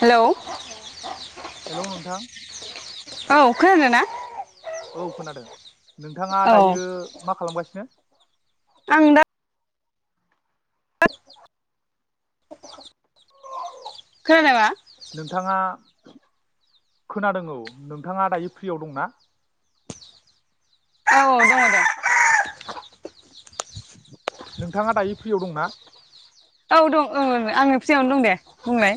Hello hello नोंथां। खोनादोना? औ खोनादों नोंथाङा दायो मा खालामगासिनो? आं दा खोनादोंबा? नोंथाङा खोनादों औ नोंथाङा दायो फ्रियाव दंना? औ दङ' दे। नोंथाङा दायो फ्रियाव दंना? औ दं औ आंङो फ्रियावनो दं दे बुंनायलाय।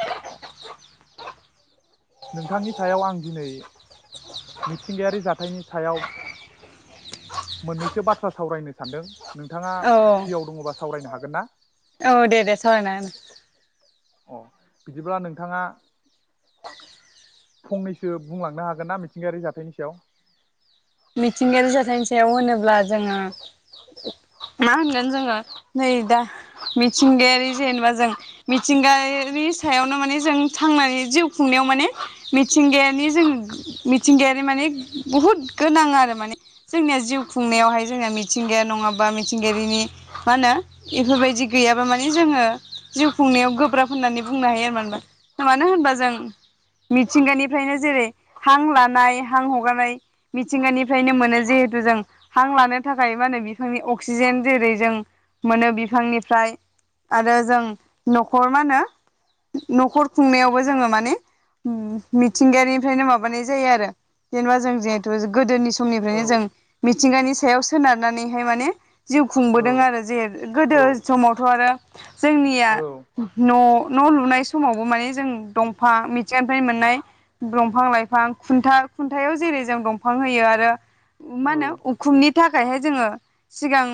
[inaudible] नोंथांनि सायाव आं दिनै मिथिंगायारि जाथायनि सायाव मोननैसो बाथ्रा सावरायनो सानदों। नोंथाङा औ फ्रियाव दङ'बा सावरायनो हागोन ना? औ दे दे सावरायना अ बिदिब्ला नोंथाङा फंनैसो बुंलांनो हागोन ना मिथिंगायारि जाथायनि सायाव? मिथिंगायारि जाथायनि सायाव होनोब्ला जोङो मा होनगोन जोङो नै दा मिथिंगायारि जेनेबा जों मिथिंगायानि सायावनो माने जों थांनानै जिउ खुंनायाव माने मिथिंगायानि जों मिथिंगायारि माने बुहुद गोनां आरो माने जोंनिया जिउ खुंनायावहाय जोंनिया मिथिंगाया नङाबा मिथिंगायारिनि मा होनो बेफोरबायदि गैयाब्ला माने जोङो जिउ खुंनायाव गोब्राब होननानै बुंनो हायो मानो होनबा मानो होनबा जों मिथिंगानिफ्रायनो जेरै हां लानाय, हां हगारनाय मिथिंगानिफ्रायनो मोनो जिहेथु जों हां लानो थाखाय मा होनो बिफांनि अक्सिजेन जेरै जों मोनो बिफांनिफ्राय आरो जों न'खर मा होनो न'खर खुंनायावबो जोङो माने मिथिंगानिफ्रायनो माबानाय जायो आरो जेनेबा जों जे ‌ थ' गोदोनि औ समनिफ्रायनो जों थिंगानि सायाव सोनारनानैहाय माने जिउ खुंबोदों औ आरो जे औ गोदो समावथ' आरो जोंनिया औ न' न' लुनाय समावबो माने जों दंफां मिथिंगानिफ्रायनो मोननाय दंफां लाइफां खुन्था खुन्थायाव जेरै जों दं फां होयो आरो औ मा होनो उखुमनि थाखायहाय जोङो सिगां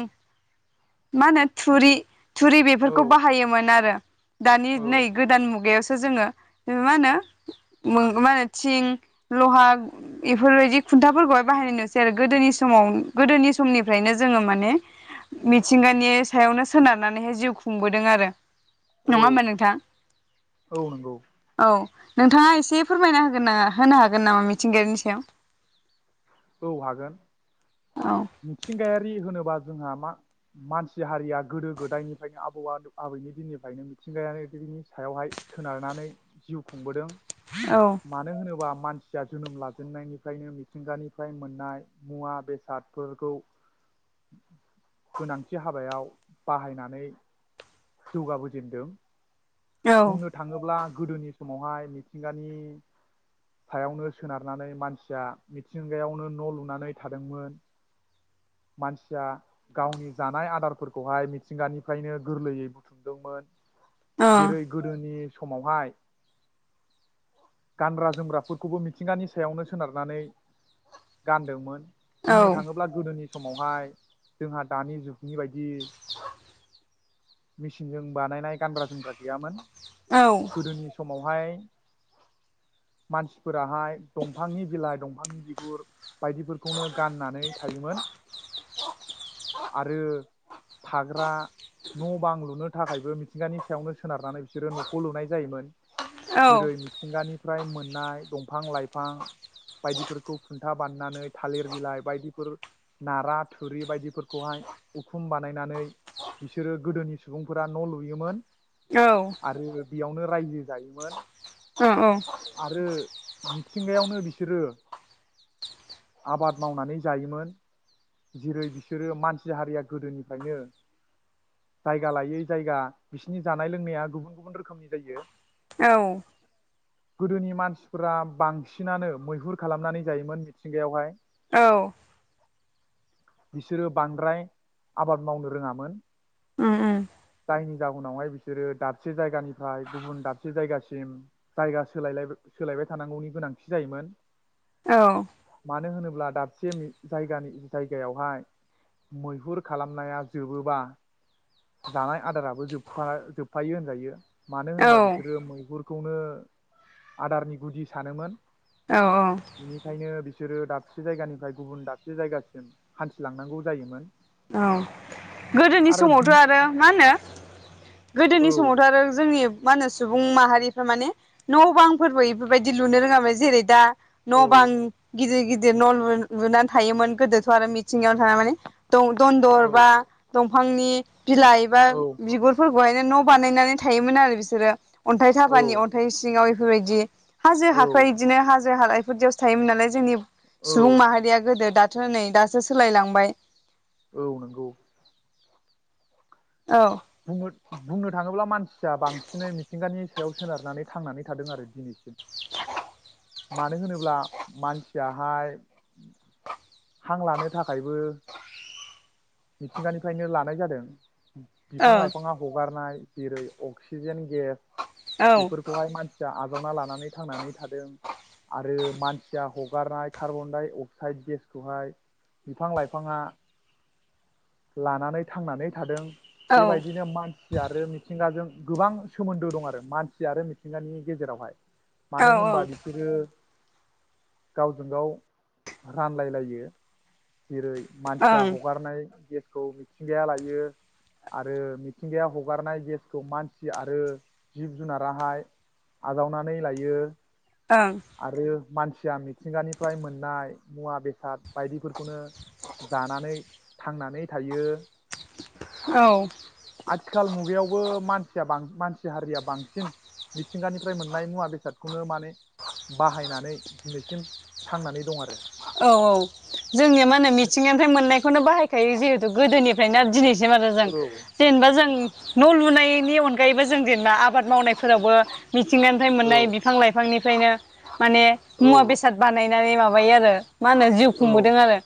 मा होनो थुरि थुरि बेफोरखौ औ बाहायोमोन आरो दानि नै औ गोदान मुगायावसो जोङो मा होनो मा होनो थिं लहा इफोरबायदि खुन्थाफोरखौहाय बाहायनाय नुसै आरो गोदोनि समाव गोदोनि समनिफ्रायनो जोङो माने मिथिंगानि सायावनो सोनारनानैहाय जिउ खुंबोदों आरो नङा औ होमबा नोंथां? औ नंगौ औ नोंथाङा एसे फोरमायना होगोन ना होनो हागोन नामा मिथिंगायारिनि सायाव? औ हागोन। औ मिथिंगायारि होनोबा जोंहा मा-मानसि हारिया गोदो गोदायनिफ्रायनो आबौ-आबैनि दिननिफ्रायनो मिथिंगायारिनि सायावहाय सोनारनानै जिउ खुंबोदों। औ मानो होनोबा मानसिया जोनोम लाजेननायनिफ्रायनो मिथिंगानि फ्राय मोननाय मुवा बेसादफोरखौ गोनांथि हाबायाव बाहायनानै जौगाबोजेनदों। औ ओ औ बुंनो थाङोब्ला गोदोनि समावहाय मिथिंगानि सायावनो सोनारनानै मानसिया मिथिंगायावनो न' लुनानै थादोंमोन मानसिया गावनि जानाय आदारफोरखौहाय मिथिंगानिफ्रायनो गोरलैयै बुथुमदोंमोन। जेरै गोदोनि समावहाय गानग्रा जोमग्राफोरखौबो मिथिंगानि सायावनो सोनारनानै गानदोंमोन। बुंनो थाङोब्ला गोदोनि समावहाय जोंहा दानि जुगनि बाय दि मेसिनजों बानायनाय गानग्रा जोमग्रा गैयामोन। औ गोदोनि समाव हाय मानसिफोराहाय दंफांनि बिलाइ दंफांनि बिगुर बायदिफोरखौनो गाननानै थायोमोन आरो थाग्रा न' बां लुनो थाखायबो मिथिंगानि सायावनो सोनारनानै बिसोरो न'खौ लुनाय जायोमोन जेरै मिथिंगानिफ्राय मोननाय दं फां लाइफां बायदिफोरखौ खुन्था बाननानै थालिर बिलाइ बायदिफोर नारा थुरि बायदिफोरखौहाय उखुम बानायनानै बिसोरो गोदोनि सुबुंफोरा न' लुयोमोन। औ। आरो बेयावनो रायजो जायोमोन। औ आरो मिथिंगायावनो बिसोरो आबाद मावनानै जायोमोन जेरै बिसोरो मानसि हारिया गोदोनिफ्रायनो जायगा लायै जायगा बिसिनि जानाय लोंनाया गुबुन गुबुन रोखोमनि जायो। औ गोदोनि मानसिफ्रा बांसिनानो मैहुर खालामनानै जायोमोन मिथिंगायावहाय। औ। बिसोरो बांद्राय आबाद मावनो रोङामोन। उम उम। जायनि जाउनावहाय बिसोरो दाबसे जायगानिफ्राय गुबुन दाबसे जायगासिम जायगा सोलायलायबा सोलायबाय थानांगौनि गोनांथि जायोमोन। औ। मानो होनोब्ला दाबसे मि जायगानि जायगायावहाय मैहुर खालामनाया जोबोबा जानाय आदाराबो जोबफा जोबफायो होनजायो। मानो होनोबा औ बिसोरो मैहुर खौनो आदारनि गुदि सानोमोन। औ बेनिखायनो बिसोरो दाबसे जायगानिफ्राय गुबुन दाबसे जायगासिम हान्थिलांनांगौ जायोमोन। औ गोदोनि समावथ' आरो मा होनो? औ गोदोनि समावथ' आरो जोंनि मा होनो सुबुं माहारिफ्रा माने न' बां फोरबो इफोरबायदि लुनो रोङामोन जेरै दा न' औ बां गिदिर गिदि दिर न' लु-लुनानै थायोमोन गोदोथ' आरो मिथिंगायावनो थाना माने दं दन्दर बा औ दं फांनि बिलाइबा औ बिगुरफोर बहायनो न' बानायनानै थायोमोन आरो बिसोरो। अन्थाइ औ थाफानि अन्थाइ सिङाव फोरबायदि। हाजो औ हाख्राय इदिनो हाजो जोहालाय इफोरदियावसो थायोमोन नालाय जोंनि सुबुं औ माहारिया गोदो दाद [unintelligible] नै दासो सोलायलांबाय। औ नंगौ। औ [unintelligible] बुंनो थाङोब्ला मानसिया बांसिनै मिथिंगानि सायाव सोनारनानै थांनानै थादों आरो दिनैसिम मानो होनोब्ला मानसियाहाय हां लानो थाखायबो मिथिंगानिफायनो लानाय जादों। बिफां औ लाइफाङा हगारनाय जेरै अक्सिजेन गेस औ बेफोरखौहाय मानसिया बिबावना लानानै थांनानै थादों। आरो मानसिया हक बारनाय कार्बन डाइ अक्साइड गेसखौहाय बिफां लाइफाङा लानानै थांनानै थादों। औ बेबायदिनो मानसि आरो मिथिंगाजों गोबां सोमोन्दो दं आरो मानसि आरो मिथिंगानि गेजेरावहाय। मानो होमबा ओं बिसोरो गावजों गाव रानलायलायो। जेरै मानसिया ओं हगारनाय गेस खौ मिथिंगाया लायो। आरो मिथिंगाया हगारनाय गेसखौ मानसि आरो जिब जुनाराहाय आजावनानै लायो। ओं आरो मानसिया मिथिंगानिफ्राय मोननाय मुवा बेसाद बायदिफोरखौनो जानानै थांनानै थायो। औ आथिखाल मुगायावबो मान सिया बां मानसि हारिया बांसिन मिथिंगानिफ्राय मोननाय मुवा बेसादखौनो माने बाहायनानै दिनैसिम थांनानै दं आरो औ औ जोंनिया मा होनो मिथिंगानिफ्राय मोननाय खौनो बाहायखायो जिहेतु गोदोनिफ्राय दिनै [inaudible] जों औ जेनेबा जों न' लुनायनि अनगायैबो जों जेनला आबाद मावनायफोरावबो मिथिंगानिफ्राय औ मोननाय बिफां लाइफांनि औ ओंखायनो [unintelligible] बिनानै माबायो आरो मा होनो जिउ औ खुंबोदों आरो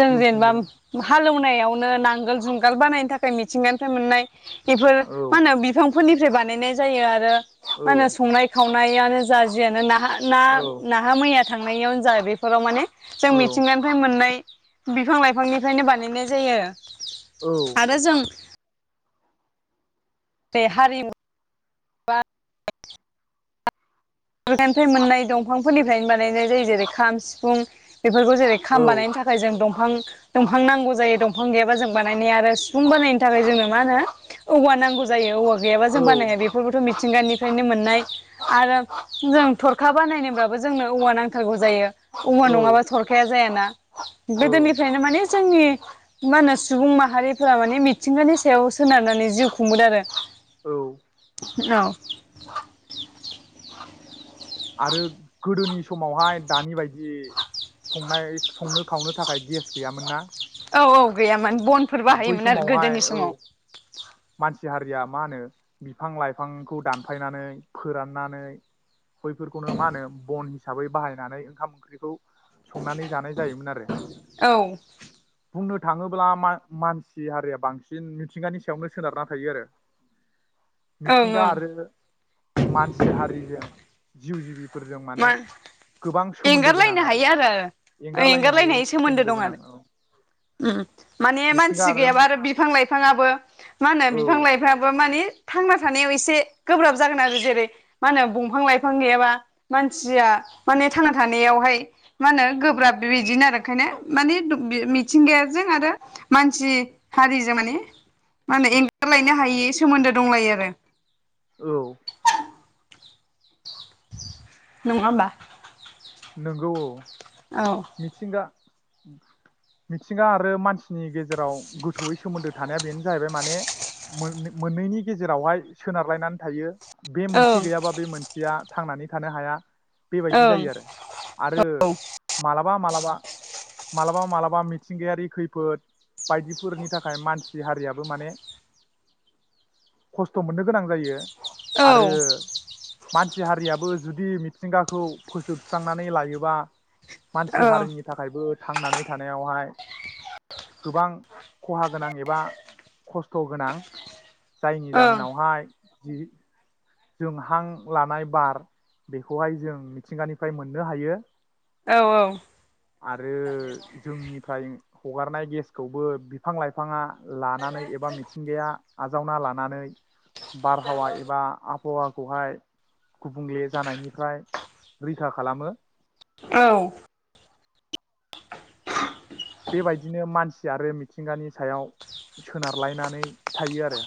जों जिउ जेनेबा खुंबोदों हालौ [unintelligible] नो नांगोल जुंगाल बानायनो थाखाय मिथिंगानिफ्राय मोननाय इफोर औ मा होनो बिफां फोरनिफ्राय बानायनाय जायो आरो मा होनो औ संनाय खावनाय सनायानो जाजियानो नाहा ना औ नाहा मैया थांनायावनो जा बेफोराव माने जों औ मिथिंगानिफ्राय मोननाय बिफां लाइफांनिफ्रायनो बानायनाय जायो औ आरो जों [inaudible] [unintelligible] निफ्राय मोननाय दंफांफोरनिफ्रायनो बानायनाय जायो जेरै खाम सिफुं बेफोरखौ जेरै खाम औ बानायनि थाखाय जों दंफ दंफां दंफां नांगौ जायो दंफां गैयाब्ला जों बानाय आरो सिफुं बानायनो थाखाय जोंनो मा होनो औवा नांगौ जायो औवा गैयाबा जों औ बानायाङो बेफोरखौबोथ' मिथिं मिथिंगानिफ्रायनो मोननाय आरो जों थ'रखा बानायनोब्लाबो जोंनो औवा नांथारगौ जायो औवा औ नङाबा थ'रखाया जायाना गोदोनिफ्रायनो मानि जोंनि मा होनो सुबुं माहारिफोरा माने मिथिंगानि सायाव सोनारनानै जिउ खुंबोदों आरो औ औ [inaudible] आरो गोदोनि समावहाय दानि बायदि इ संनाय संनो खावनो थाखाय गेस गैयामोन ना औ औ गैयामोन बनफोर बै बाहायोमोन आरो समावहाय गोदोनि औ समाव मानसि हारिया मा होनो बिफां लाइफांखौ दानफायनानै फोराननानै बैफोरखौनो मा होनो बन हिसाबै बाहायनानै ओंखाम ओंख्रिखौ संनानै जानाय जायोमोन आरो [inaudible] औ बुंनो थाङोब्ला मान मानसि हारिया बांसिन मिथिंगानि सायावनो सोनारना थायो आरो मिथिंगा ओं आरो मानसि हारिजों जिउ जिबि मा एंगारलायनो हायो आरो एंगारलायनो एंगारलायनाय हायै सोमोन्दो दं गोनां आरो औ ओम माने मानसि गैयाबा आरो बिफां लाइफांआबो मा होनो औ बिफां लाइफांबो माने थांना थानायाव एसे गोब्राब जागोन आरो जेरै मा होनो बंफां लाइफां गैयाबा मानसिया माने थांना थानायावहाय मा होनो गोब्राब बेबायदिनो आरो ओंखायनो माने मिथिंगायाजों आरो मानसि हारिजों माने मा होनो एंगारलायनो हायि सोमोन्दो दंलायो आरो औ नङाबा नोंगौ औ मिथिंगा मिथिंगा आरो मानसिनि गेजेराव गोथौयै सोमोन्दो थानाया बेनो जाहैबाय माने मोन मोननैनि गेजेरावहाय सोनारलायनानै थायो बे मोनसे ओं गैयाबा बे मोनसेया थांनानै थानो हाया बेबायदि ओं जायो आरो आरो मालाबा मालाबा मालाबा मालाबा मिथिंगायारि खैफोद बायदिफोरनि थाखाय मानसि हारियाबो माने खस्थ' मोननो गोनां जायो। औ आरो औ मानसि हारियाबो जुदि मिथिंगाखौ फोजोब सुस्रांनानै लायोबा औ मानसि हारिनि थाखायबो थांनानै थानायावहाय गोबां खहा गोनां एबा खस्थ' गोनां जायनि जाहोनावहाय जि जों हां लानाय बार बेखौहाय जों मिथिंगानिफ्राय मोननो हायो। औ आरो जोंनिफ्राय हगारनाय गेसखौबो बिफां लाइफाङा। लानानै एबा मिथिंगाया। आजावना लानानै। बारहावा एबा। हवाखौहाय गुबुंले जानायनि। फ्राय रैखा। खालामो। औ। बेबायदिनो मानसि आरो मिथिंगानि सायाव सोनारलायनानै थायो आरो।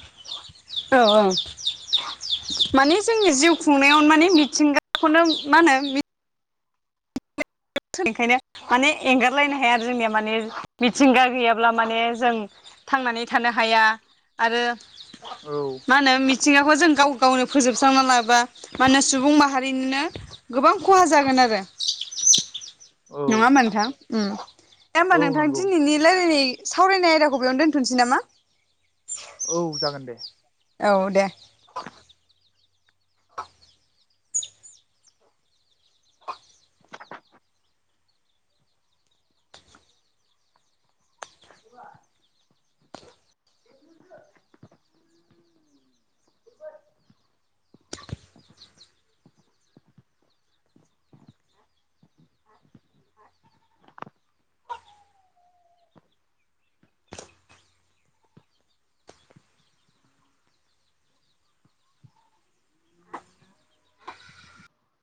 औ औ माने जोंनि जिउ खुंनायाव माने मिथिंगाखौनो मा होनो। ओंखायनो माने एंगारलायनो हाया आरो जोंनिया माने मिथिंगा गैयाब्ला माने जों थांनानै थानो हाया आरो औ मा होनो मिथिंगाखौ जों गाव गावनो फोजोबस्रांना लाबा मा होनो सुबुं माहारिनिनो गोबां खहा जागोन आरो। औ नङा होनबा नोंथां उम। दे होनोमबा औ नोंथां नंगौ दिनैनि। रायलायनाय सावरायनाय आयदाखौ बेयावनो दोनथ'नोसै नामा। औ जागोन दे। औ दे।